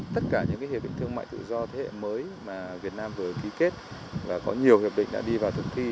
tất cả những hiệp định thương mại tự do thế hệ mới mà việt nam vừa ký kết và có nhiều hiệp định đã đi vào thực thi